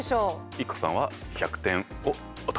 ＩＫＫＯさんは１００点を獲得。